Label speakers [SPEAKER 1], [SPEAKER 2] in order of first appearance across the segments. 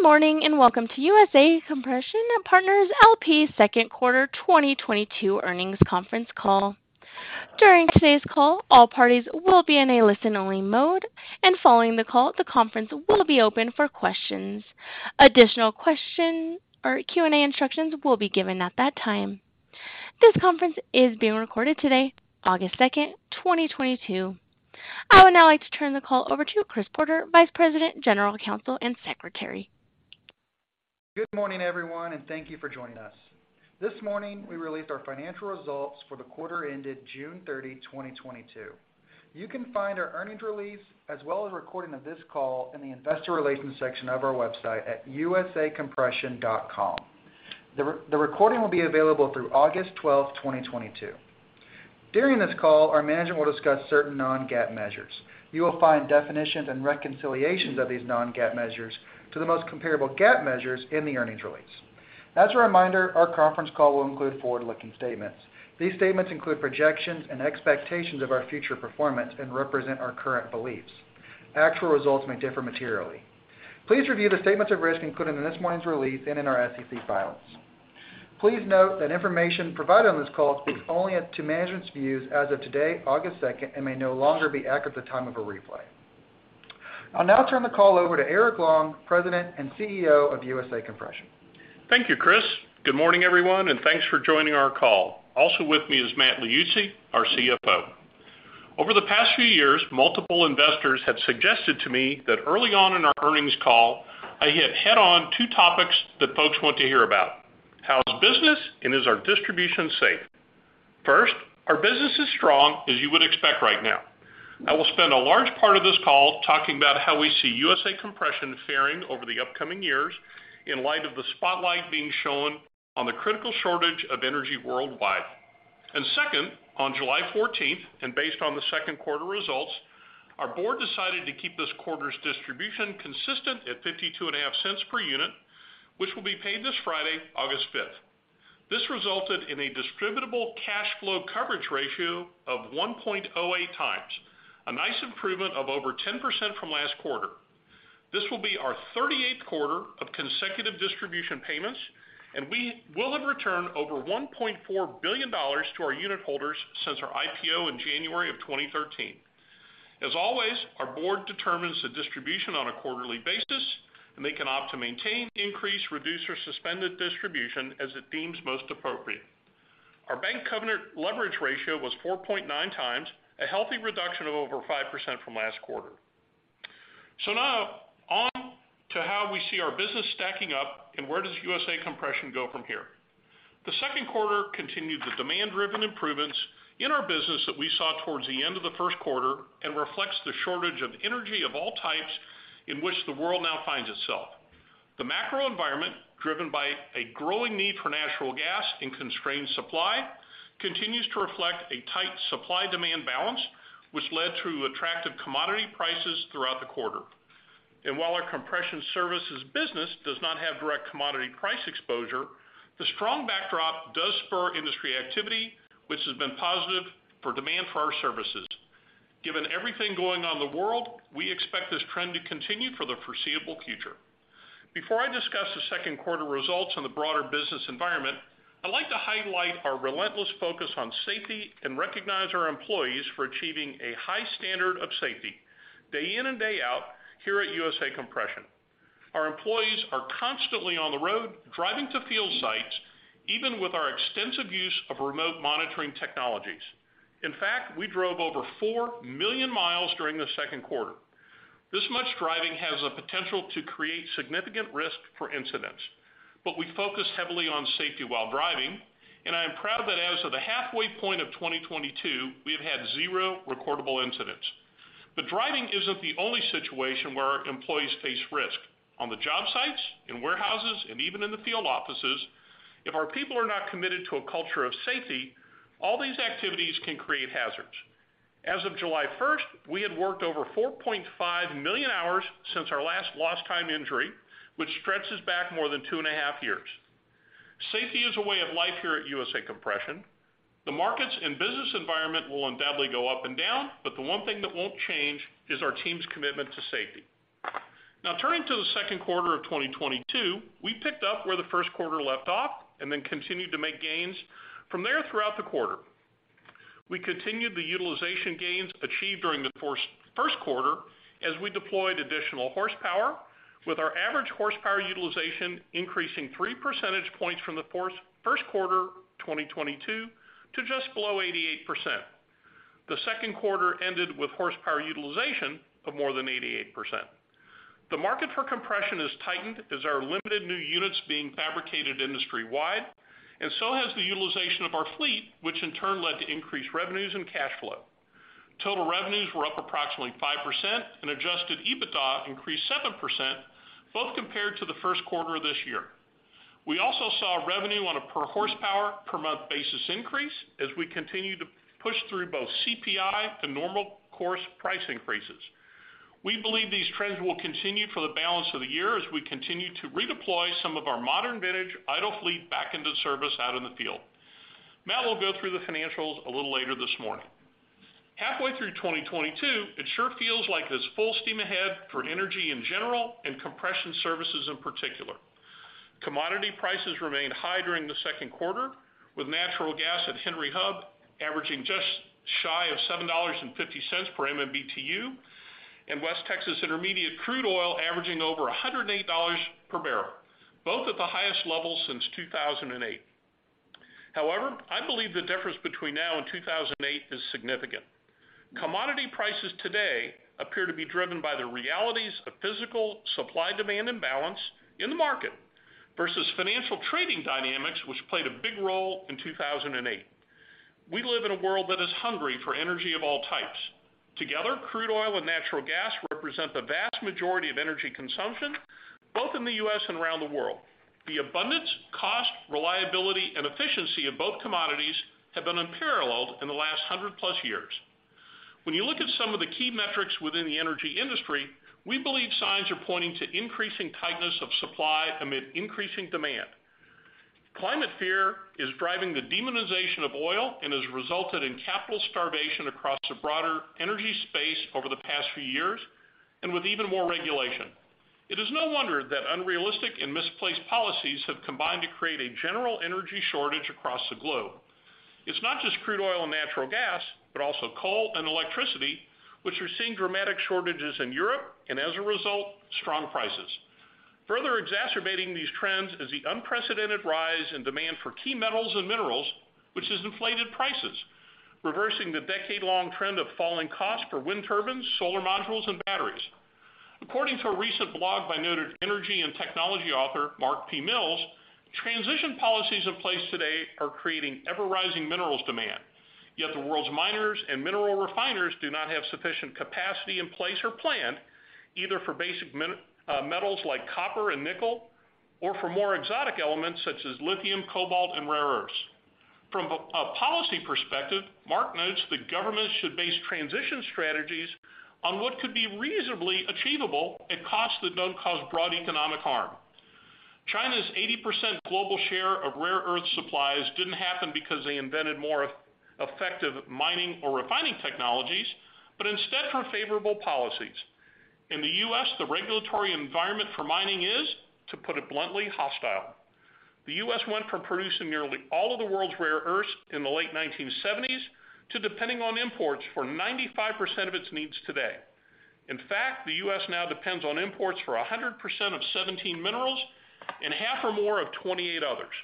[SPEAKER 1] Good morning, and welcome to USA Compression Partners, LP Second Quarter 2022 Earnings Conference Call. During today's call, all parties will be in a listen-only mode, and following the call, the conference will be open for questions. Additional question or Q&A instructions will be given at that time. This conference is being recorded today, August 2, 2022. I would now like to turn the call over to Chris Porter, Vice President, General Counsel, and Secretary.
[SPEAKER 2] Good morning, everyone, and thank you for joining us. This morning, we released our financial results for the quarter ended June 30, 2022. You can find our earnings release as well as a recording of this call in the Investor Relations section of our website at usacompression.com. The recording will be available through August 12, 2022. During this call, our management will discuss certain non-GAAP measures. You will find definitions and reconciliations of these non-GAAP measures to the most comparable GAAP measures in the earnings release. As a reminder, our conference call will include forward-looking statements. These statements include projections and expectations of our future performance and represent our current beliefs. Actual results may differ materially. Please review the statements of risk included in this morning's release and in our SEC filings. Please note that information provided on this call speaks only to management's views as of today, August second, and may no longer be accurate at the time of a replay. I'll now turn the call over to Eric Long, President and CEO of USA Compression.
[SPEAKER 3] Thank you, Chris. Good morning, everyone, and thanks for joining our call. Also with me is Matt Liuzzi, our CFO. Over the past few years, multiple investors have suggested to me that early on in our earnings call, I hit head-on two topics that folks want to hear about, how's business and is our distribution safe? First, our business is strong, as you would expect right now. I will spend a large part of this call talking about how we see USA Compression faring over the upcoming years in light of the spotlight being shown on the critical shortage of energy worldwide. Second, on July 14, and based on the second quarter results, our board decided to keep this quarter's distribution consistent at 52 and a half cents per unit, which will be paid this Friday, August 5. This resulted in a Distributable Cash Flow coverage ratio of 1.08x, a nice improvement of over 10% from last quarter. This will be our 38th quarter of consecutive distribution payments, and we will have returned over $1.4 billion to our unit holders since our IPO in January 2013. As always, our board determines the distribution on a quarterly basis, and they can opt to maintain, increase, reduce, or suspend the distribution as it deems most appropriate. Our bank covenant leverage ratio was 4.9x, a healthy reduction of over 5% from last quarter. Now on to how we see our business stacking up and where does USA Compression go from here. The second quarter continued the demand-driven improvements in our business that we saw towards the end of the first quarter and reflects the shortage of energy of all types in which the world now finds itself. The macro environment, driven by a growing need for natural gas and constrained supply, continues to reflect a tight supply-demand balance, which led to attractive commodity prices throughout the quarter. While our compression services business does not have direct commodity price exposure, the strong backdrop does spur industry activity, which has been positive for demand for our services. Given everything going on in the world, we expect this trend to continue for the foreseeable future. Before I discuss the second quarter results and the broader business environment, I'd like to highlight our relentless focus on safety and recognize our employees for achieving a high standard of safety day in and day out here at USA Compression. Our employees are constantly on the road, driving to field sites, even with our extensive use of remote monitoring technologies. In fact, we drove over 4 million miles during the second quarter. This much driving has the potential to create significant risk for incidents, but we focus heavily on safety while driving, and I am proud that as of the halfway point of 2022, we have had 0 recordable incidents. Driving isn't the only situation where our employees face risk. On the job sites, in warehouses, and even in the field offices, if our people are not committed to a culture of safety, all these activities can create hazards. As of July first, we had worked over 4.5 million hours since our last lost time injury, which stretches back more than 2.5 years. Safety is a way of life here at USA Compression. The markets and business environment will undoubtedly go up and down, but the one thing that won't change is our team's commitment to safety. Now, turning to the second quarter of 2022, we picked up where the first quarter left off and then continued to make gains from there throughout the quarter. We continued the utilization gains achieved during the first quarter as we deployed additional horsepower, with our average horsepower utilization increasing three percentage points from the first quarter 2022 to just below 88%. The second quarter ended with horsepower utilization of more than 88%. The market for compression has tightened as there are limited new units being fabricated industry-wide, and so has the utilization of our fleet, which in turn led to increased revenues and cash flow. Total revenues were up approximately 5% and adjusted EBITDA increased 7%, both compared to the first quarter of this year. We also saw revenue on a per horsepower per month basis increase as we continued to push through both CPI and normal course price increases. We believe these trends will continue for the balance of the year as we continue to redeploy some of our modern vintage idle fleet back into service out in the field. Matt will go through the financials a little later this morning. Halfway through 2022, it sure feels like it's full steam ahead for energy in general and compression services in particular. Commodity prices remained high during the second quarter, with natural gas at Henry Hub averaging just shy of $7.50 per MMBTU, and West Texas Intermediate crude oil averaging over $108 per barrel, both at the highest level since 2008. However, I believe the difference between now and 2008 is significant. Commodity prices today appear to be driven by the realities of physical supply-demand imbalance in the market versus financial trading dynamics, which played a big role in 2008. We live in a world that is hungry for energy of all types. Together, crude oil and natural gas represent the vast majority of energy consumption, both in the U.S. and around the world. The abundance, cost, reliability, and efficiency of both commodities have been unparalleled in the last 100+ years. When you look at some of the key metrics within the energy industry, we believe signs are pointing to increasing tightness of supply amid increasing demand. Climate fear is driving the demonization of oil and has resulted in capital starvation across a broader energy space over the past few years, and with even more regulation. It is no wonder that unrealistic and misplaced policies have combined to create a general energy shortage across the globe. It's not just crude oil and natural gas, but also coal and electricity, which are seeing dramatic shortages in Europe and, as a result, strong prices. Further exacerbating these trends is the unprecedented rise in demand for key metals and minerals, which has inflated prices, reversing the decade-long trend of falling costs for wind turbines, solar modules, and batteries. According to a recent blog by noted energy and technology author Mark P. Mills, transition policies in place today are creating ever-rising minerals demand. Yet the world's miners and mineral refiners do not have sufficient capacity in place or planned, either for basic metals like copper and nickel, or for more exotic elements such as lithium, cobalt, and rare earths. From a policy perspective, Mark notes that governments should base transition strategies on what could be reasonably achievable at costs that don't cause broad economic harm. China's 80% global share of rare earth supplies didn't happen because they invented more effective mining or refining technologies, but instead for favorable policies. In the U.S., the regulatory environment for mining is, to put it bluntly, hostile. The U.S. went from producing nearly all of the world's rare earths in the late 1970s to depending on imports for 95% of its needs today. In fact, the U.S. now depends on imports for 100% of 17 minerals and half or more of 28 others.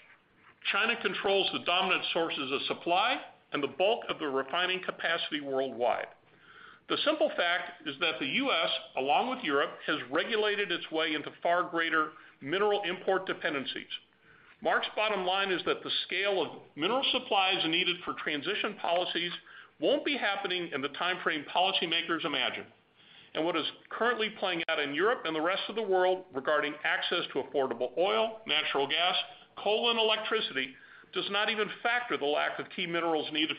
[SPEAKER 3] China controls the dominant sources of supply and the bulk of the refining capacity worldwide. The simple fact is that the U.S., along with Europe, has regulated its way into far greater mineral import dependencies. Mark's bottom line is that the scale of mineral supplies needed for transition policies won't be happening in the timeframe policymakers imagine. What is currently playing out in Europe and the rest of the world regarding access to affordable oil, natural gas, coal, and electricity does not even factor the lack of key minerals needed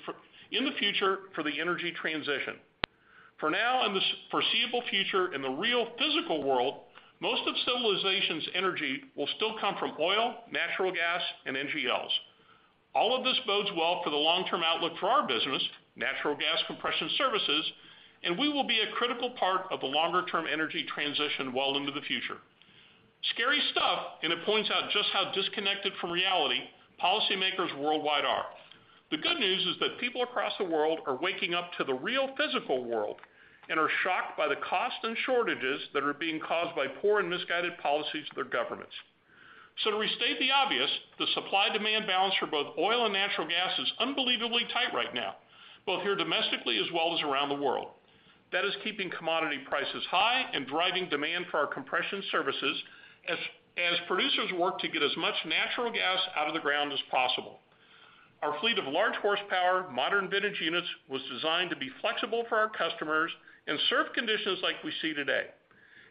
[SPEAKER 3] in the future for the energy transition. For now and the foreseeable future in the real physical world, most of civilization's energy will still come from oil, natural gas, and NGLs. All of this bodes well for the long-term outlook for our business, natural gas compression services, and we will be a critical part of the longer-term energy transition well into the future. Scary stuff, and it points out just how disconnected from reality policymakers worldwide are. The good news is that people across the world are waking up to the real physical world and are shocked by the cost and shortages that are being caused by poor and misguided policies of their governments. To restate the obvious, the supply-demand balance for both oil and natural gas is unbelievably tight right now, both here domestically as well as around the world. That is keeping commodity prices high and driving demand for our compression services as producers work to get as much natural gas out of the ground as possible. Our fleet of large horsepower, modern vintage units was designed to be flexible for our customers and serve conditions like we see today.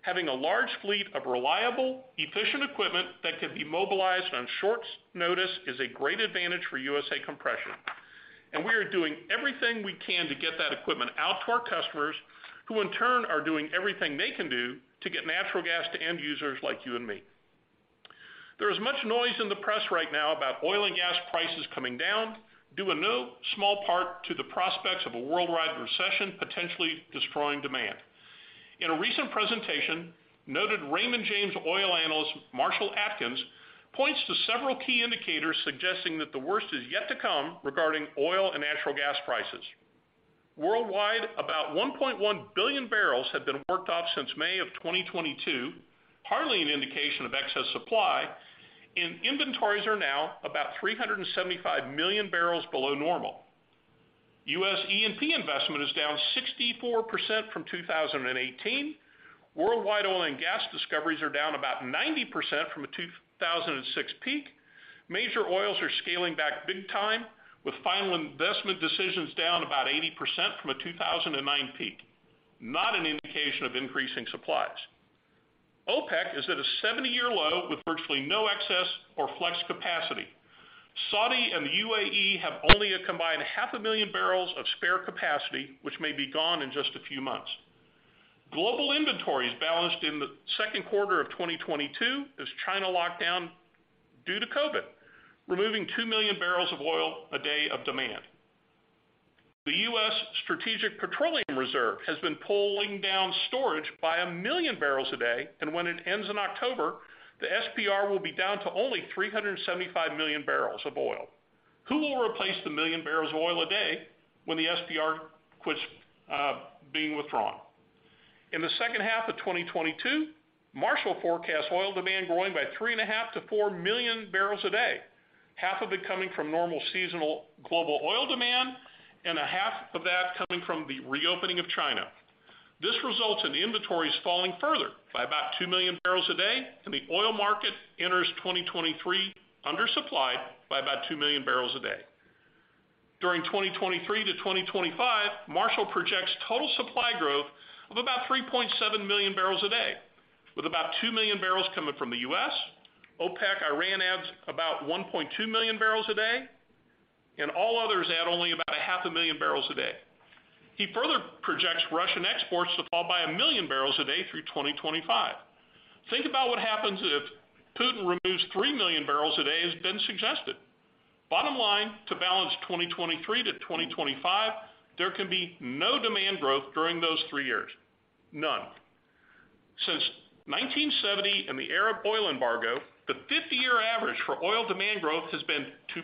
[SPEAKER 3] Having a large fleet of reliable, efficient equipment that can be mobilized on short notice is a great advantage for USA Compression, and we are doing everything we can to get that equipment out to our customers, who in turn are doing everything they can do to get natural gas to end users like you and me. There is much noise in the press right now about oil and gas prices coming down, due in no small part to the prospects of a worldwide recession potentially destroying demand. In a recent presentation, noted Raymond James oil analyst Marshall Adkins points to several key indicators suggesting that the worst is yet to come regarding oil and natural gas prices. Worldwide, about 1.1 billion barrels have been worked off since May of 2022, hardly an indication of excess supply. Inventories are now about 375 million barrels below normal. U.S. E&P investment is down 64% from 2018. Worldwide oil and gas discoveries are down about 90% from a 2006 peak. Major oils are scaling back big time, with final investment decisions down about 80% from a 2009 peak. Not an indication of increasing supplies. OPEC is at a 70-year low with virtually no excess or flex capacity. Saudi and the UAE have only a combined 500,000 barrels of spare capacity, which may be gone in just a few months. Global inventories balanced in the second quarter of 2022 as China locked down due to COVID, removing 2 million barrels of oil a day of demand. The U.S. Strategic Petroleum Reserve has been pulling down storage by 1 million barrels a day, and when it ends in October, the SPR will be down to only 375 million barrels of oil. Who will replace the 1 million barrels of oil a day when the SPR quits being withdrawn? In the second half of 2022, Marshall forecasts oil demand growing by 3.5-4 million barrels a day, half of it coming from normal seasonal global oil demand and a half of that coming from the reopening of China. This results in the inventories falling further by about 2 million barrels a day, and the oil market enters 2023 undersupplied by about 2 million barrels a day. During 2023 to 2025, Marshall projects total supply growth of about 3.7 million barrels a day, with about 2 million barrels coming from the U.S. OPEC, Iran adds about 1.2 million barrels a day, and all others add only about 0.5 million barrels a day. He further projects Russian exports to fall by 1 million barrels a day through 2025. Think about what happens if Putin removes 3 million barrels a day as has been suggested. Bottom line, to balance 2023 to 2025, there can be no demand growth during those three years. None. Since 1970 and the Arab oil embargo, the 50-year average for oil demand growth has been 2%.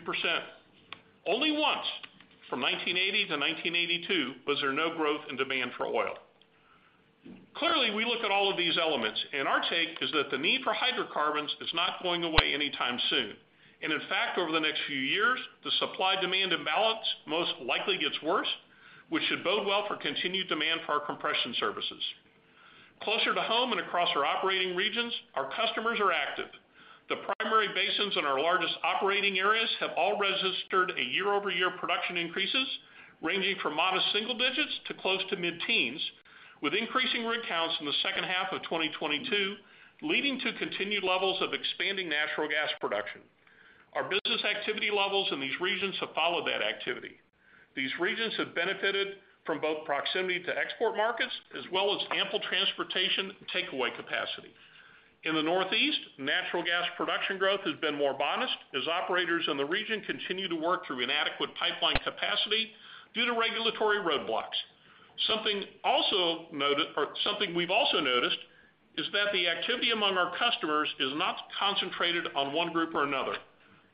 [SPEAKER 3] Only once, from 1980 to 1982, was there no growth in demand for oil. Clearly, we look at all of these elements, and our take is that the need for hydrocarbons is not going away anytime soon. In fact, over the next few years, the supply-demand imbalance most likely gets worse, which should bode well for continued demand for our compression services. Closer to home and across our operating regions, our customers are active. The primary basins in our largest operating areas have all registered a year-over-year production increases, ranging from modest single digits to close to mid-teens, with increasing rig counts in the second half of 2022, leading to continued levels of expanding natural gas production. Our business activity levels in these regions have followed that activity. These regions have benefited from both proximity to export markets as well as ample transportation takeaway capacity. In the Northeast, natural gas production growth has been more modest as operators in the region continue to work through inadequate pipeline capacity due to regulatory roadblocks. Something we've also noticed is that the activity among our customers is not concentrated on one group or another.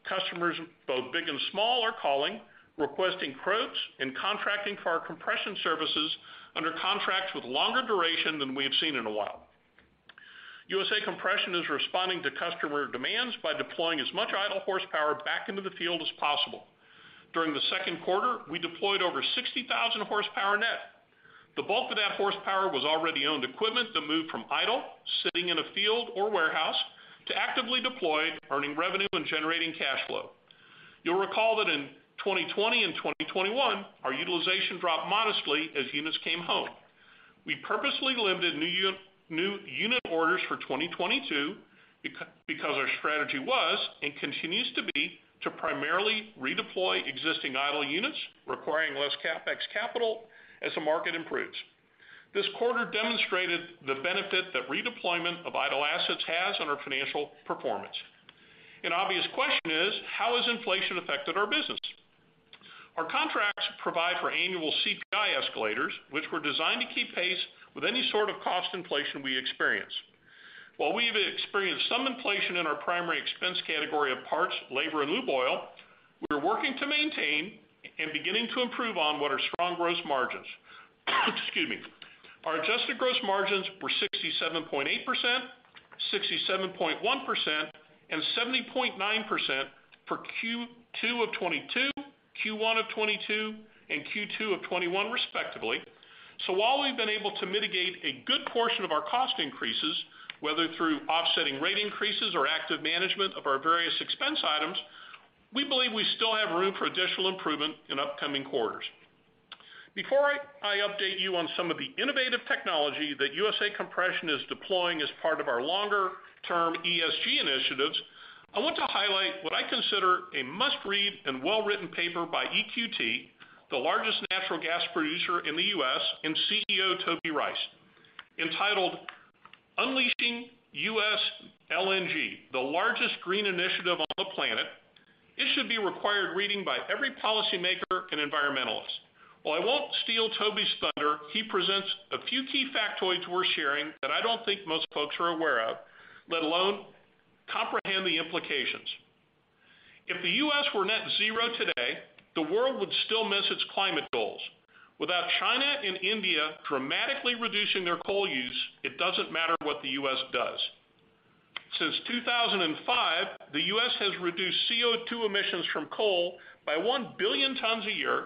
[SPEAKER 3] Customers, both big and small, are calling, requesting quotes, and contracting for our compression services under contracts with longer duration than we have seen in a while. USA Compression is responding to customer demands by deploying as much idle horsepower back into the field as possible. During the second quarter, we deployed over 60,000 horsepower net. The bulk of that horsepower was already owned equipment that moved from idle, sitting in a field or warehouse, to actively deployed, earning revenue, and generating cash flow. You'll recall that in 2020 and 2021, our utilization dropped modestly as units came home. We purposely limited new unit orders for 2022 because our strategy was and continues to be to primarily redeploy existing idle units requiring less CapEx capital as the market improves. This quarter demonstrated the benefit that redeployment of idle assets has on our financial performance. An obvious question is: How has inflation affected our business? Our contracts provide for annual CPI escalators, which were designed to keep pace with any sort of cost inflation we experience. While we've experienced some inflation in our primary expense category of parts, labor, and lube oil, we are working to maintain and beginning to improve on what are strong gross margins. Excuse me. Our adjusted gross margins were 67.8%, 67.1%, and 70.9% for Q2 of 2022, Q1 of 2022, and Q2 of 2021, respectively. While we've been able to mitigate a good portion of our cost increases, whether through offsetting rate increases or active management of our various expense items, we believe we still have room for additional improvement in upcoming quarters. Before I update you on some of the innovative technology that USA Compression is deploying as part of our longer-term ESG initiatives, I want to highlight what I consider a must-read and well-written paper by EQT, the largest natural gas producer in the US, and CEO Toby Rice, entitled Unleashing US LNG, The Largest Green Initiative on the Planet. It should be required reading by every policy maker and environmentalist. While I won't steal Toby's thunder, he presents a few key factoids worth sharing that I don't think most folks are aware of, let alone comprehend the implications. If the U.S. were Net Zero today, the world would still miss its climate goals. Without China and India dramatically reducing their coal use, it doesn't matter what the U.S. does. Since 2005, the U.S. has reduced CO2 emissions from coal by 1 billion tons a year,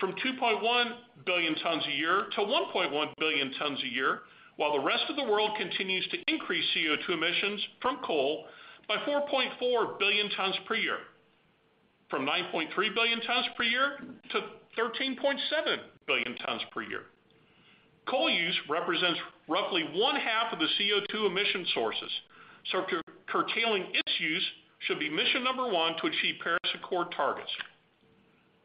[SPEAKER 3] from 2.1 billion tons a year to 1.1 billion tons a year, while the rest of the world continues to increase CO2 emissions from coal by 4.4 billion tons per year, from 9.3 billion tons per year to 13.7 billion tons per year. Coal use represents roughly one half of the CO₂ emission sources, so curtailing its use should be mission number one to achieve Paris Agreement targets.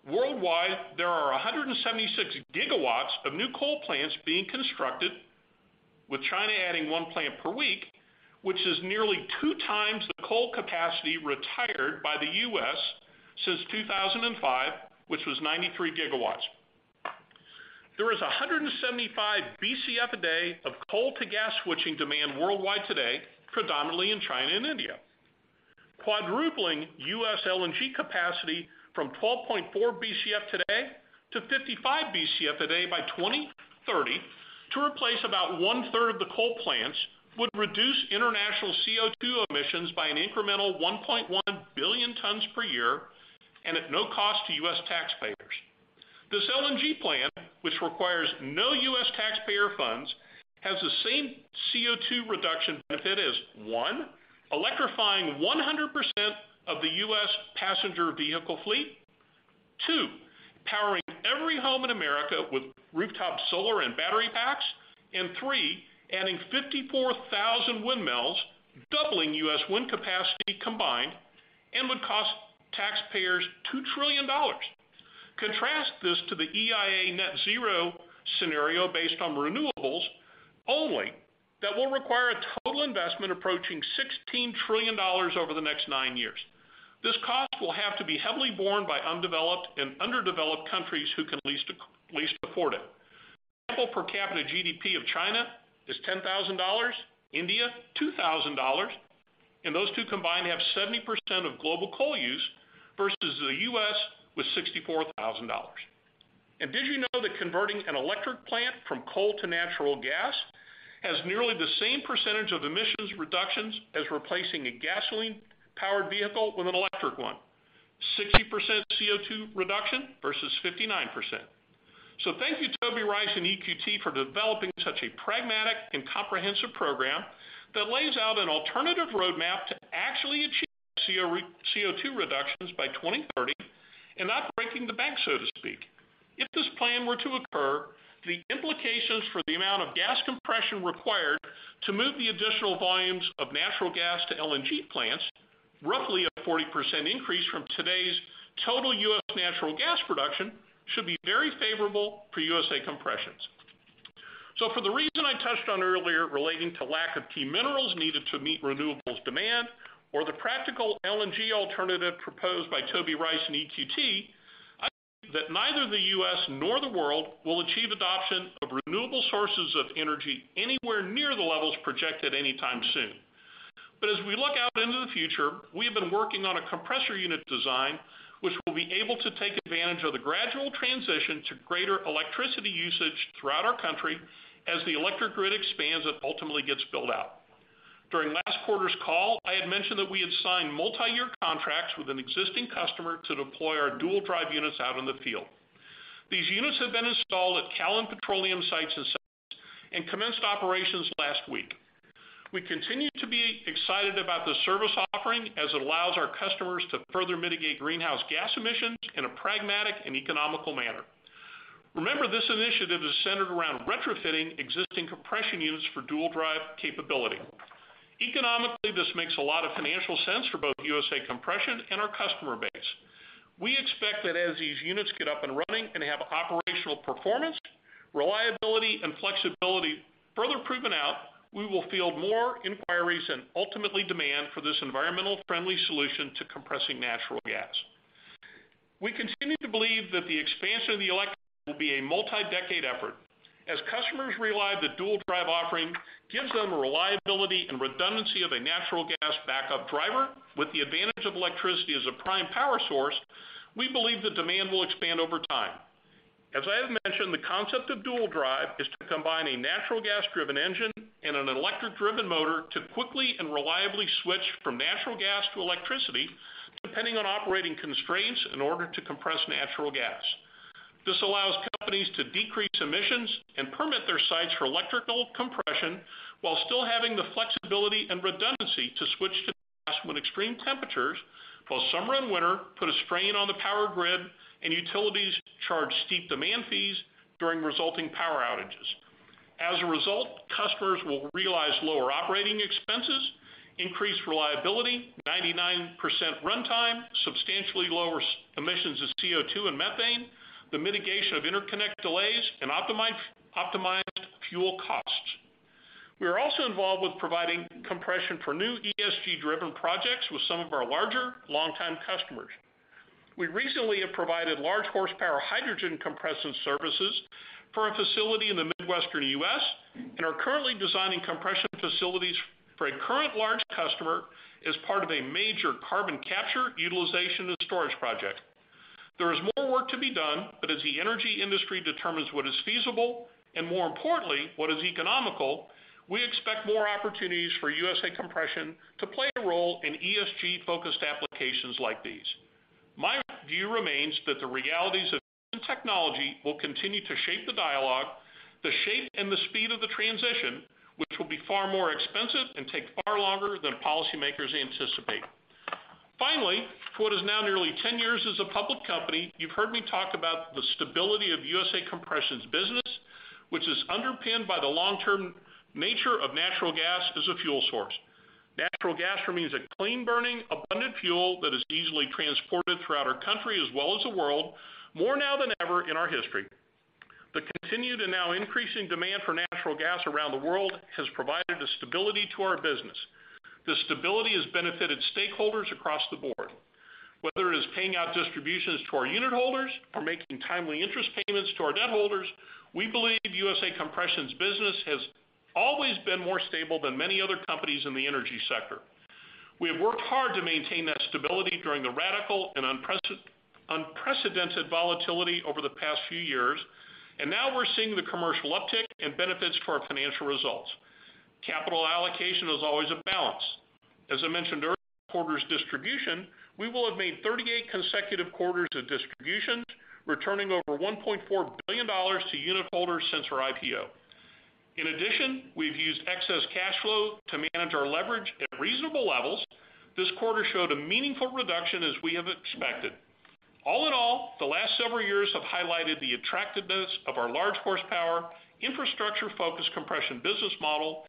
[SPEAKER 3] Worldwide, there are 176 gigawatts of new coal plants being constructed, with China adding one plant per week, which is nearly two times the coal capacity retired by the U.S. since 2005, which was 93 gigawatts. There is 175 BCF a day of coal to gas switching demand worldwide today, predominantly in China and India. Quadrupling U.S. LNG capacity from 12.4 BCF today to 55 BCF today by 2030 to replace about one-third of the coal plants would reduce international CO₂ emissions by an incremental 1.1 billion tons per year and at no cost to U.S. taxpayers. This LNG plan, which requires no U.S. taxpayer funds, has the same CO₂ reduction benefit as 1, electrifying 100% of the U.S. passenger vehicle fleet. 2, powering every home in America with rooftop solar and battery packs. 3, adding 54,000 windmills, doubling U.S. wind capacity combined, and would cost taxpayers $2 trillion. Contrast this to the EIA Net Zero scenario based on renewables only that will require a total investment approaching $16 trillion over the next 9 years. This cost will have to be heavily borne by undeveloped and underdeveloped countries who can least afford it. Sample per capita GDP of China is $10,000, India, $2,000, and those two combined have 70% of global coal use versus the U.S. with $64,000. Did you know that converting an electric plant from coal to natural gas has nearly the same percentage of emissions reductions as replacing a gasoline powered vehicle with an electric one? 60% CO₂ reduction versus 59%. Thank you, Toby Rice and EQT for developing such a pragmatic and comprehensive program that lays out an alternative roadmap to actually achieve CO₂ reductions by 2030 and not breaking the bank, so to speak. If this plan were to occur, the implications for the amount of gas compression required to move the additional volumes of natural gas to LNG plants, roughly a 40% increase from today's total US natural gas production, should be very favorable for USA Compression. For the reason I touched on earlier relating to lack of key minerals needed to meet renewables demand or the practical LNG alternative proposed by Toby Rice and EQT, I believe that neither the U.S. nor the world will achieve adoption of renewable sources of energy anywhere near the levels projected anytime soon. As we look out into the future, we have been working on a compressor unit design which will be able to take advantage of the gradual transition to greater electricity usage throughout our country as the electric grid expands and ultimately gets built out. During last quarter's call, I had mentioned that we had signed multi-year contracts with an existing customer to deploy our Dual Drive units out in the field. These units have been installed at Callon Petroleum sites in Texas and commenced operations last week. We continue to be excited about the service offering as it allows our customers to further mitigate greenhouse gas emissions in a pragmatic and economical manner. Remember, this initiative is centered around retrofitting existing compression units for Dual Drive capability. Economically, this makes a lot of financial sense for both USA Compression and our customer base. We expect that as these units get up and running and have operational performance, reliability and flexibility further proven out, we will field more inquiries and ultimately demand for this environmentally friendly solution to compressing natural gas. We continue to believe that the expansion of electrification will be a multi-decade effort. As customers realize the Dual Drive offering gives them a reliability and redundancy of a natural gas backup driver with the advantage of electricity as a prime power source, we believe the demand will expand over time. As I have mentioned, the concept of Dual Drive is to combine a natural gas driven engine and an electric driven motor to quickly and reliably switch from natural gas to electricity, depending on operating constraints in order to compress natural gas. This allows companies to decrease emissions and permit their sites for electrical compression while still having the flexibility and redundancy to switch to gas when extreme temperatures, both summer and winter, put a strain on the power grid and utilities charge steep demand fees during resulting power outages. As a result, customers will realize lower operating expenses, increased reliability, 99% runtime, substantially lower emissions of CO₂ and methane, the mitigation of interconnect delays, and optimized fuel costs. We are also involved with providing compression for new ESG-driven projects with some of our larger long-time customers. We recently have provided large horsepower hydrogen compression services for a facility in the Midwestern U.S., and are currently designing compression facilities for a current large customer as part of a major carbon capture, utilization and storage project. There is more work to be done, but as the energy industry determines what is feasible and more importantly, what is economical, we expect more opportunities for USA Compression to play a role in ESG-focused applications like these. My view remains that the realities of technology will continue to shape the dialogue, the shape and the speed of the transition, which will be far more expensive and take far longer than policymakers anticipate. Finally, for what is now nearly 10 years as a public company, you've heard me talk about the stability of USA Compression's business, which is underpinned by the long-term nature of natural gas as a fuel source. Natural gas remains a clean-burning, abundant fuel that is easily transported throughout our country as well as the world, more now than ever in our history. The continued and now increasing demand for natural gas around the world has provided a stability to our business. This stability has benefited stakeholders across the board. Whether it is paying out distributions to our unit holders or making timely interest payments to our debt holders, we believe USA Compression's business has always been more stable than many other companies in the energy sector. We have worked hard to maintain that stability during the radical and unprecedented volatility over the past few years, and now we're seeing the commercial uptick and benefits to our financial results. Capital allocation is always a balance. As I mentioned earlier, quarter's distribution, we will have made 38 consecutive quarters of distributions, returning over $1.4 billion to unit holders since our IPO. In addition, we've used excess cash flow to manage our leverage at reasonable levels. This quarter showed a meaningful reduction, as we have expected. All in all, the last several years have highlighted the attractiveness of our large horsepower, infrastructure-focused compression business model,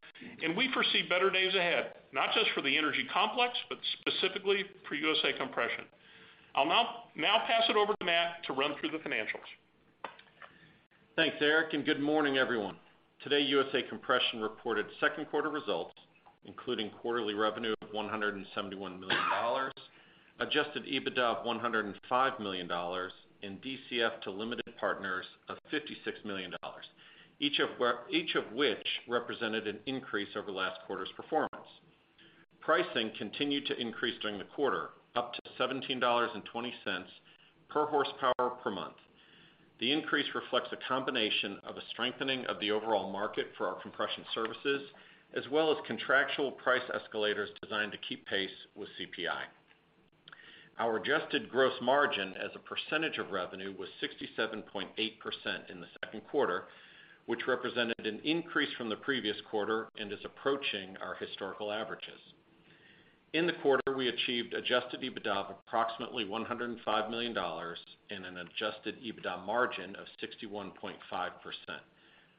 [SPEAKER 3] and we foresee better days ahead, not just for the energy complex, but specifically for USA Compression. I'll now pass it over to Matt to run through the financials.
[SPEAKER 4] Thanks, Eric, and good morning, everyone. Today, USA Compression reported second quarter results, including quarterly revenue of $171 million, adjusted EBITDA of $105 million, and DCF to limited partners of $56 million, each of which represented an increase over last quarter's performance. Pricing continued to increase during the quarter, up to $17.20 per horsepower per month. The increase reflects a combination of a strengthening of the overall market for our compression services, as well as contractual price escalators designed to keep pace with CPI. Our adjusted gross margin as a percentage of revenue was 67.8% in the second quarter, which represented an increase from the previous quarter and is approaching our historical averages. In the quarter, we achieved adjusted EBITDA of approximately $105 million and an adjusted EBITDA margin of 61.5%.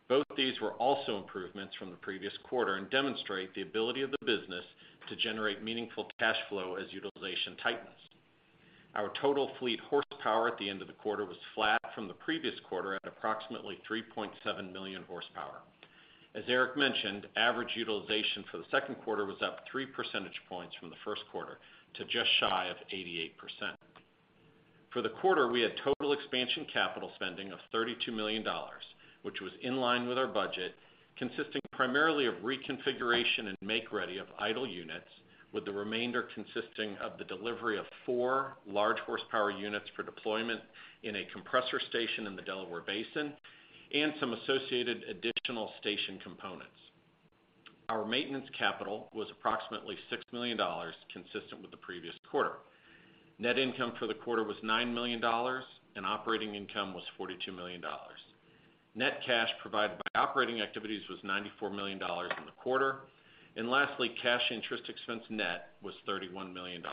[SPEAKER 4] Both these were also improvements from the previous quarter and demonstrate the ability of the business to generate meaningful cash flow as utilization tightens. Our total fleet horsepower at the end of the quarter was flat from the previous quarter at approximately 3.7 million horsepower. As Eric mentioned, average utilization for the second quarter was up three percentage points from the first quarter to just shy of 88%. For the quarter, we had total expansion capital spending of $32 million, which was in line with our budget, consisting primarily of reconfiguration and make-ready of idle units, with the remainder consisting of the delivery of four large horsepower units for deployment in a compressor station in the Delaware Basin and some associated additional station components. Our maintenance capital was approximately $6 million, consistent with the previous quarter. Net income for the quarter was $9 million, and operating income was $42 million. Net cash provided by operating activities was $94 million in the quarter. Lastly, cash interest expense net was $31 million.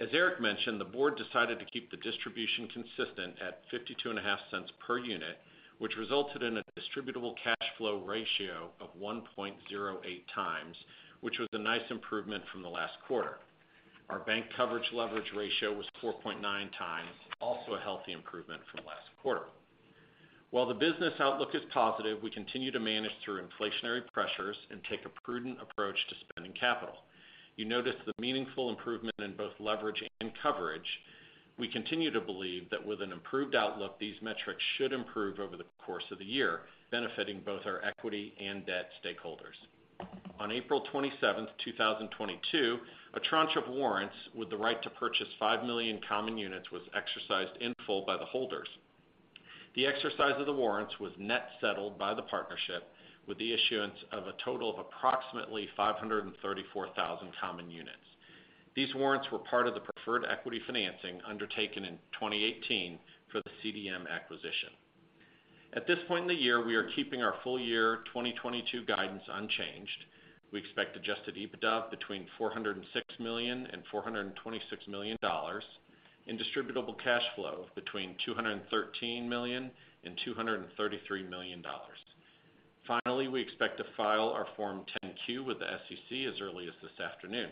[SPEAKER 4] As Eric mentioned, the board decided to keep the distribution consistent at $0.525 per unit, which resulted in a Distributable Cash Flow ratio of 1.08x, which was a nice improvement from the last quarter. Our bank coverage leverage ratio was 4.9x, also a healthy improvement from last quarter. While the business outlook is positive, we continue to manage through inflationary pressures and take a prudent approach to spending capital. You notice the meaningful improvement in both leverage and coverage. We continue to believe that with an improved outlook, these metrics should improve over the course of the year, benefiting both our equity and debt stakeholders. On April 27, 2022, a tranche of warrants with the right to purchase 5 million common units was exercised in full by the holders. The exercise of the warrants was net settled by the partnership with the issuance of a total of approximately 534,000 common units. These warrants were part of the preferred equity financing undertaken in 2018 for the CDM acquisition. At this point in the year, we are keeping our full year 2022 guidance unchanged. We expect adjusted EBITDA of between $406 million and $426 million and Distributable Cash Flow of between $213 million and $233 million. Finally, we expect to file our Form 10-Q with the SEC as early as this afternoon.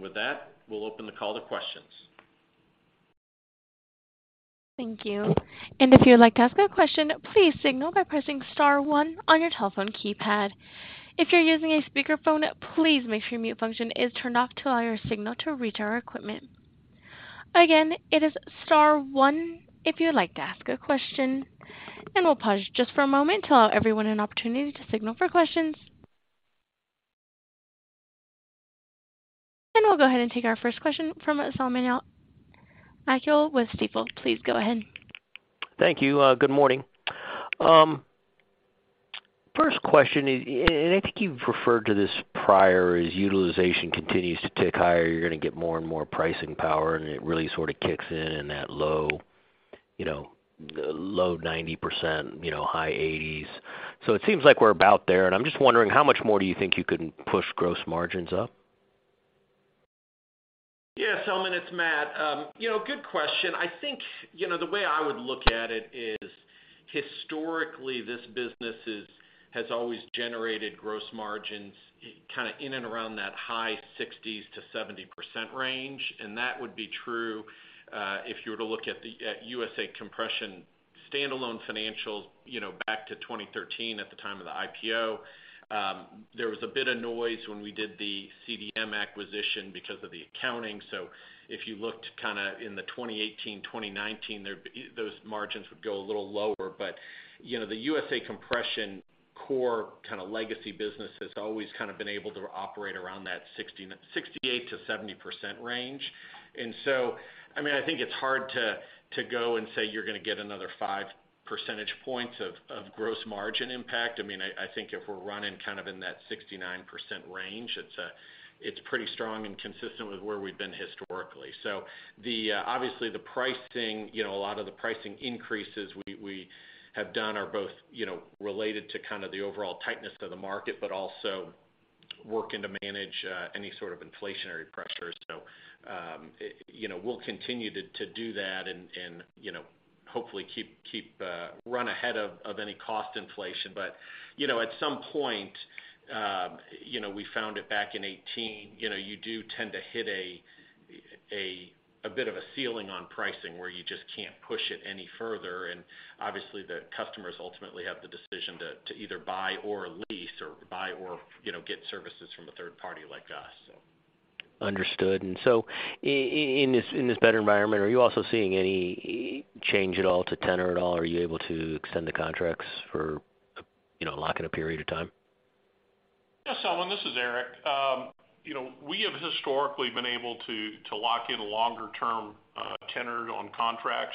[SPEAKER 4] With that, we'll open the call to questions.
[SPEAKER 1] Thank you. If you'd like to ask a question, please signal by pressing star one on your telephone keypad. If you're using a speakerphone, please make sure your mute function is turned off to allow your signal to reach our equipment. Again, it is star one if you would like to ask a question, and we'll pause just for a moment to allow everyone an opportunity to signal for questions. We'll go ahead and take our first question from Selman Akyol with Stifel. Please go ahead.
[SPEAKER 5] Thank you. Good morning. First question is, I think you've referred to this prior, is utilization continues to tick higher. You're gonna get more and more pricing power, and it really sort of kicks in that low 90%, high 80s. It seems like we're about there, and I'm just wondering how much more do you think you can push gross margins up?
[SPEAKER 4] Yeah, Selman, it's Matt. You know, good question. I think, you know, the way I would look at it is historically, this business has always generated gross margins kind of in and around that high 60s-70% range. That would be true if you were to look at the USA Compression stand-alone financials, you know, back to 2013 at the time of the IPO. There was a bit of noise when we did the CDM acquisition because of the accounting. If you looked kind of in the 2018, 2019 there'd be those margins would go a little lower. You know, the USA Compression core kind of legacy business has always kind of been able to operate around that 68%-70% range. I mean, I think it's hard to go and say you're gonna get another five percentage points of gross margin impact. I mean, I think if we're running kind of in that 69% range, it's pretty strong and consistent with where we've been historically. Obviously the pricing, you know, a lot of the pricing increases we have done are both, you know, related to kind of the overall tightness of the market, but also working to manage any sort of inflationary pressures. You know, we'll continue to do that and, you know, hopefully keep run ahead of any cost inflation. You know, at some point, you know, we found it back in 2018, you know, you do tend to hit a bit of a ceiling on pricing where you just can't push it any further. Obviously, the customers ultimately have the decision to either buy or lease or buy or, you know, get services from a third party like us, so.
[SPEAKER 5] Understood. In this better environment, are you also seeing any change at all to tenor at all? Are you able to extend the contracts for, you know, lock in a period of time?
[SPEAKER 3] Yeah, Selman, this is Eric. You know, we have historically been able to lock in longer term tenor on contracts.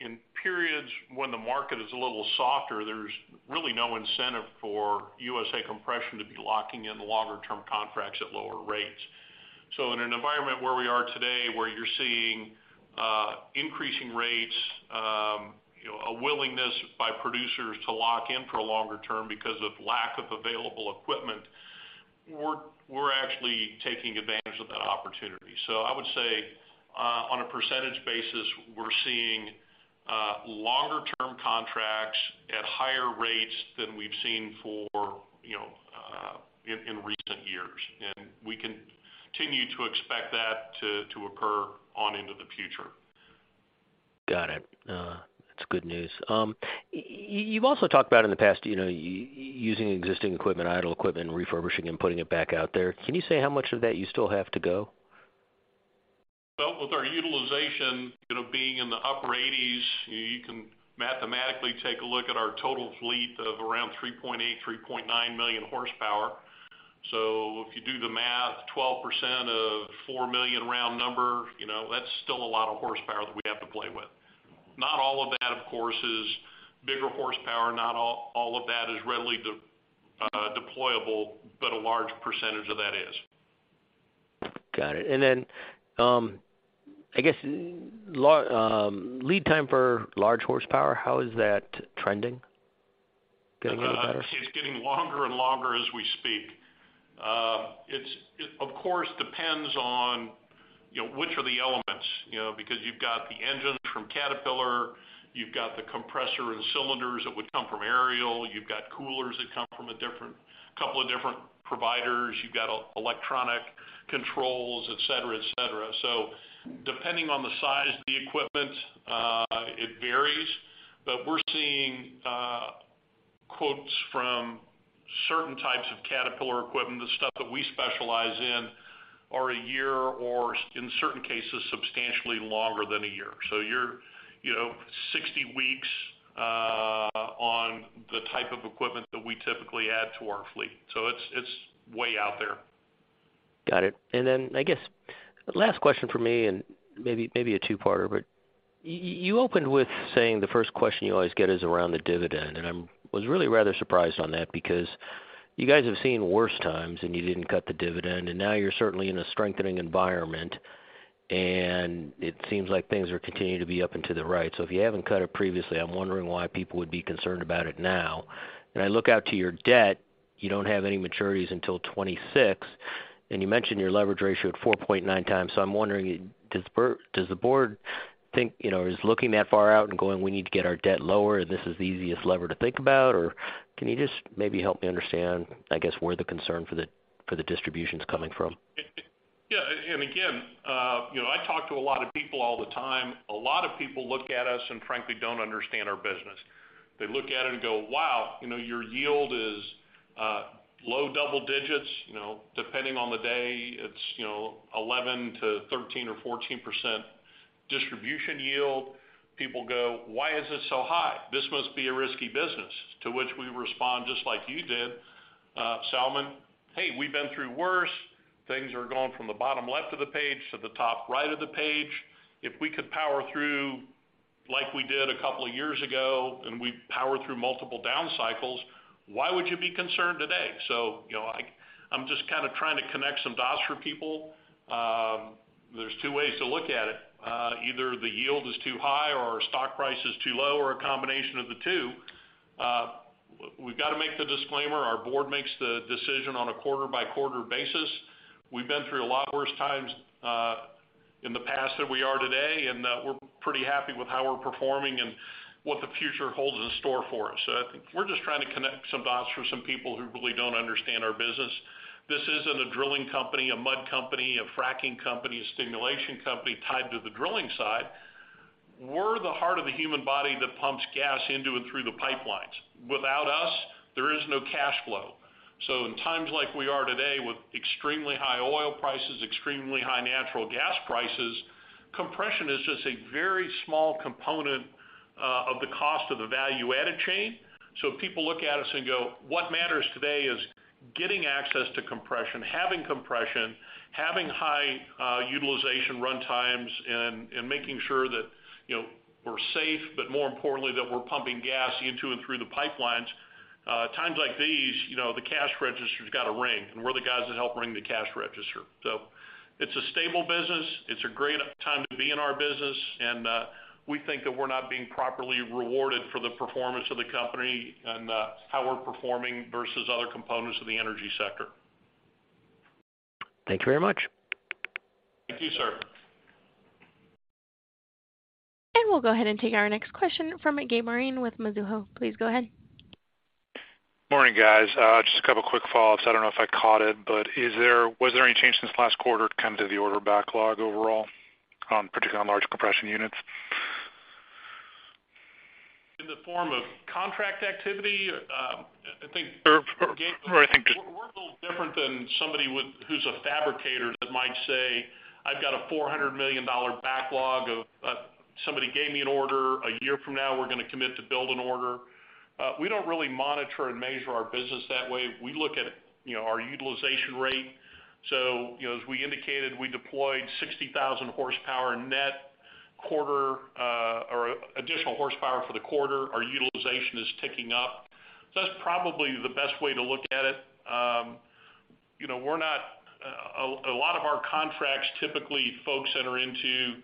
[SPEAKER 3] In periods when the market is a little softer, there's really no incentive for USA Compression to be locking in longer term contracts at lower rates. In an environment where we are today, where you're seeing increasing rates, you know, a willingness by producers to lock in for a longer term because of lack of available equipment, we're actually taking advantage of that opportunity. I would say on a percentage basis, we're seeing longer term contracts at higher rates than we've seen for, you know, in recent years. We continue to expect that to occur on into the future.
[SPEAKER 5] Got it. That's good news. You've also talked about in the past, you know, using existing equipment, idle equipment, refurbishing and putting it back out there. Can you say how much of that you still have to go?
[SPEAKER 3] Well, with our utilization, you know, being in the upper 80s, you can mathematically take a look at our total fleet of around 3.8, 3.9 million horsepower. If you do the math, 12% of 4 million round number, you know, that's still a lot of horsepower that we have to play with. Not all of that, of course, is bigger horsepower. Not all of that is readily deployable, but a large percentage of that is.
[SPEAKER 5] Got it. I guess, lead time for large horsepower, how is that trending? Getting a little better?
[SPEAKER 3] It's getting longer and longer as we speak. It, of course, depends on, you know, which are the elements, you know, because you've got the engines from Caterpillar, you've got the compressor and cylinders that would come from Ariel. You've got coolers that come from a different couple of different providers. You've got electronic controls, et cetera, et cetera. Depending on the size of the equipment, it varies. But we're seeing quotes from certain types of Caterpillar equipment, the stuff that we specialize in are a year or in certain cases, substantially longer than a year. You're, you know, 60 weeks on the type of equipment that we typically add to our fleet, it's way out there.
[SPEAKER 5] Got it. Then I guess last question from me, and maybe a two-parter. You opened with saying the first question you always get is around the dividend. I was really rather surprised on that because you guys have seen worse times, and you didn't cut the dividend, and now you're certainly in a strengthening environment, and it seems like things are continuing to be up and to the right. If you haven't cut it previously, I'm wondering why people would be concerned about it now. I look out to your debt. You don't have any maturities until 2026, and you mentioned your leverage ratio at 4.9 times. I'm wondering, does the board think, you know, is looking that far out and going, "We need to get our debt lower, and this is the easiest lever to think about?" Or can you just maybe help me understand, I guess, where the concern for the distribution is coming from?
[SPEAKER 3] Yeah. Again, you know, I talk to a lot of people all the time. A lot of people look at us and frankly don't understand our business. They look at it and go, "Wow, you know, your yield is low double digits." You know, depending on the day, it's, you know, 11%-13% or 14% distribution yield. People go, "Why is it so high? This must be a risky business." To which we respond, just like you did, Selman, "Hey, we've been through worse. Things are going from the bottom left of the page to the top right of the page. If we could power through like we did a couple of years ago, and we powered through multiple down cycles, why would you be concerned today?" You know, I'm just kind of trying to connect some dots for people. There's two ways to look at it. Either the yield is too high or our stock price is too low or a combination of the two. We've got to make the disclaimer, our board makes the decision on a quarter by quarter basis. We've been through a lot worse times in the past than we are today, and we're pretty happy with how we're performing and what the future holds in store for us. I think we're just trying to connect some dots for some people who really don't understand our business. This isn't a drilling company, a mud company, a fracking company, a stimulation company tied to the drilling side. We're the heart of the human body that pumps gas into and through the pipelines. Without us, there is no cash flow. In times like we are today, with extremely high oil prices, extremely high natural gas prices, compression is just a very small component of the cost of the value added chain. If people look at us and go, what matters today is getting access to compression, having compression, having high utilization run times and making sure that, you know, we're safe, but more importantly, that we're pumping gas into and through the pipelines. Times like these, you know, the cash register's got to ring, and we're the guys that help ring the cash register. It's a stable business. It's a great time to be in our business. We think that we're not being properly rewarded for the performance of the company and how we're performing versus other components of the energy sector.
[SPEAKER 5] Thank you very much.
[SPEAKER 3] Thank you, sir.
[SPEAKER 1] We'll go ahead and take our next question from Gabe Moreen with Mizuho. Please go ahead.
[SPEAKER 6] Morning, guys. Just a couple of quick follow-ups. I don't know if I caught it, but was there any change since last quarter to the order backlog overall, particularly on large compression units?
[SPEAKER 3] In the form of contract activity? I think-
[SPEAKER 6] I think.
[SPEAKER 3] We're a little different than somebody who's a fabricator that might say, "I've got a $400 million backlog of somebody gave me an order. A year from now, we're gonna commit to build an order." We don't really monitor and measure our business that way. We look at, you know, our utilization rate. You know, as we indicated, we deployed 60,000 horsepower net quarter or additional horsepower for the quarter. Our utilization is ticking up. That's probably the best way to look at it. You know, we're not a lot of our contracts. Typically folks enter into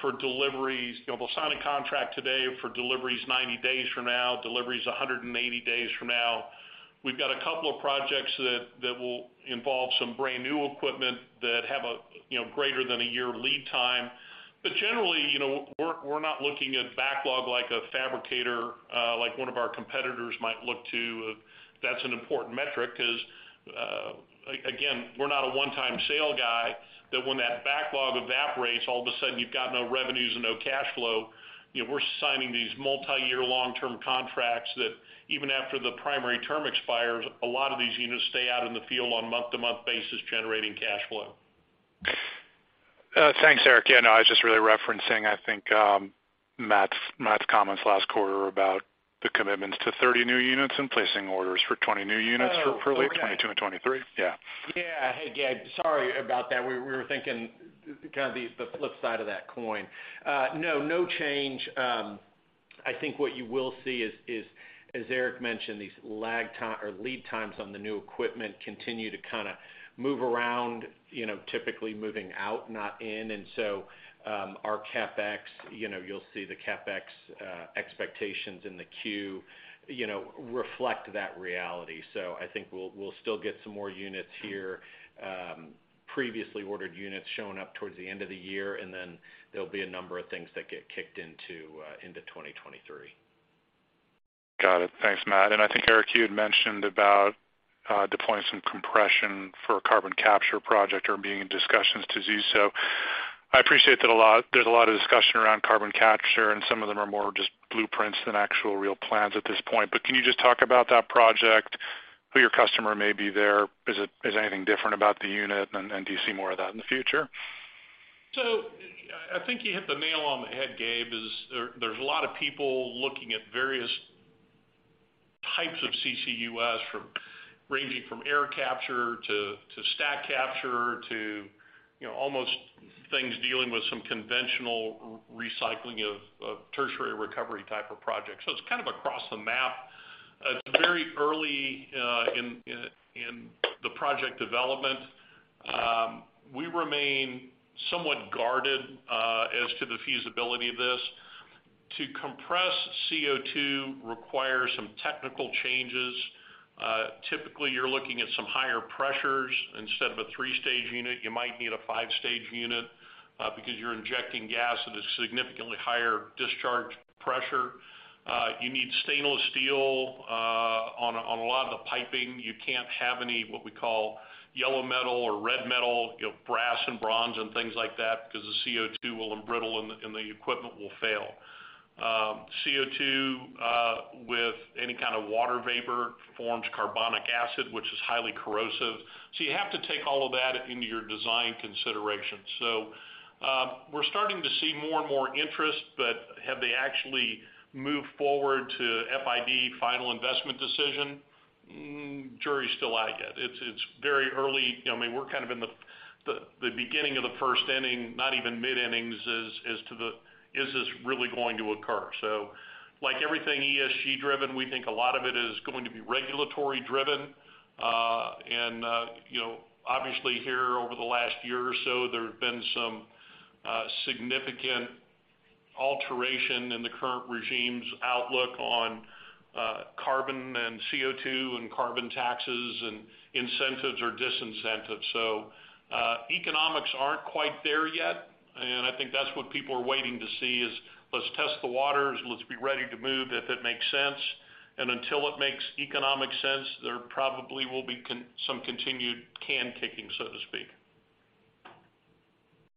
[SPEAKER 3] for deliveries. You know, they'll sign a contract today for deliveries 90 days from now, deliveries 180 days from now. We've got a couple of projects that will involve some brand-new equipment that have a you know greater than a year lead time. Generally, you know, we're not looking at backlog like a fabricator like one of our competitors might look to. That's an important metric because again, we're not a one-time sale guy that when that backlog evaporates, all of a sudden you've got no revenues and no cash flow. You know, we're signing these multi-year long-term contracts that even after the primary term expires, a lot of these units stay out in the field on month-to-month basis, generating cash flow.
[SPEAKER 6] Thanks, Eric. Yeah, no, I was just really referencing, I think, Matt's comments last quarter about the commitments to 30 new units and placing orders for 20 new units for.
[SPEAKER 3] Oh.
[SPEAKER 6] early 2022 and 2023. Yeah.
[SPEAKER 4] Yeah. Hey, Gabe, sorry about that. We were thinking kind of the flip side of that coin. No change. I think what you will see is, as Eric mentioned, these lag time or lead times on the new equipment continue to kind of move around, you know, typically moving out, not in. Our CapEx, you know, you'll see the CapEx expectations in the Q, you know, reflect that reality. I think we'll still get some more units here, previously ordered units showing up towards the end of the year, and then there'll be a number of things that get kicked into 2023.
[SPEAKER 6] Got it. Thanks, Matt. I think, Eric, you had mentioned about deploying some compression for a carbon capture project or being in discussions to do so. I appreciate that a lot. There's a lot of discussion around carbon capture, and some of them are more just blueprints than actual real plans at this point. Can you just talk about that project, who your customer may be there? Is anything different about the unit and do you see more of that in the future?
[SPEAKER 3] I think you hit the nail on the head, Gabe. There's a lot of people looking at various types of CCUS ranging from air capture to stack capture to, you know, almost things dealing with some conventional recycling of tertiary recovery type of projects. It's kind of across the map. It's very early in the project development. We remain somewhat guarded as to the feasibility of this. To compress CO2 requires some technical changes. Typically, you're looking at some higher pressures. Instead of a three-stage unit, you might need a five-stage unit because you're injecting gas at a significantly higher discharge pressure. You need stainless steel on a lot of the piping. You can't have any, what we call, yellow metal or red metal, you know, brass and bronze and things like that, because the CO2 will embrittle and the, and the equipment will fail. CO2 with any kind of water vapor forms carbonic acid, which is highly corrosive. You have to take all of that into your design consideration. We're starting to see more and more interest, but have they actually moved forward to FID, final investment decision? Jury's still out yet. It's very early. I mean, we're kind of in the beginning of the first inning, not even mid-innings as to the is this really going to occur? Like everything ESG-driven, we think a lot of it is going to be regulatory driven. You know, obviously here over the last year or so, there have been some significant alterations in the current regime's outlook on carbon and CO2 and carbon taxes and incentives or disincentives. Economics aren't quite there yet, and I think that's what people are waiting to see is let's test the waters, let's be ready to move if it makes sense. Until it makes economic sense, there probably will be some continued can kicking, so to speak.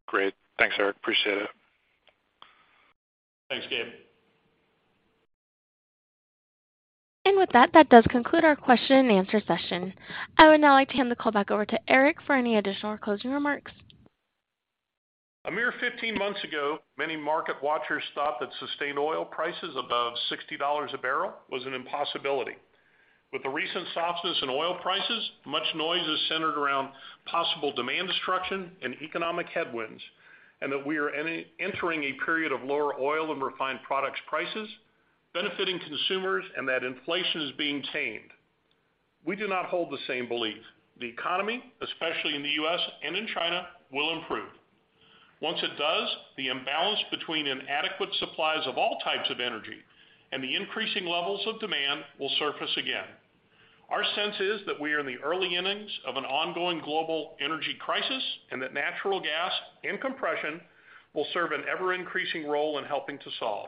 [SPEAKER 6] Great. Thanks, Eric. Appreciate it.
[SPEAKER 3] Thanks, Gabe.
[SPEAKER 1] With that does conclude our question and answer session. I would now like to hand the call back over to Eric for any additional closing remarks.
[SPEAKER 3] A mere 15 months ago, many market watchers thought that sustained oil prices above $60 a barrel was an impossibility. With the recent softness in oil prices, much noise is centered around possible demand destruction and economic headwinds, and that we are entering a period of lower oil and refined products prices, benefiting consumers, and that inflation is being tamed. We do not hold the same beliefs. The economy, especially in the US and in China, will improve. Once it does, the imbalance between inadequate supplies of all types of energy and the increasing levels of demand will surface again. Our sense is that we are in the early innings of an ongoing global energy crisis, and that natural gas and compression will serve an ever-increasing role in helping to solve.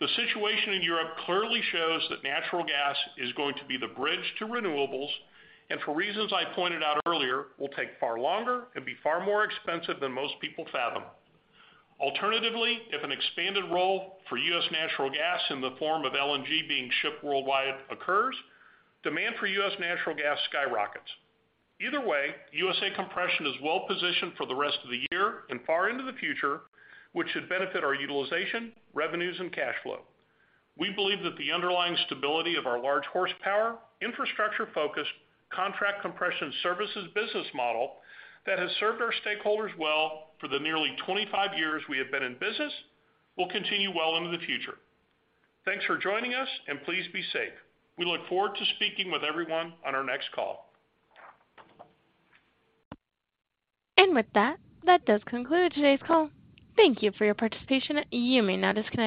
[SPEAKER 3] The situation in Europe clearly shows that natural gas is going to be the bridge to renewables, and for reasons I pointed out earlier, will take far longer and be far more expensive than most people fathom. Alternatively, if an expanded role for U.S. natural gas in the form of LNG being shipped worldwide occurs, demand for U.S. natural gas skyrockets. Either way, USA Compression is well positioned for the rest of the year and far into the future, which should benefit our utilization, revenues, and cash flow. We believe that the underlying stability of our large horsepower, infrastructure-focused contract compression services business model that has served our stakeholders well for the nearly 25 years we have been in business will continue well into the future. Thanks for joining us, and please be safe. We look forward to speaking with everyone on our next call.
[SPEAKER 1] With that does conclude today's call. Thank you for your participation. You may now disconnect.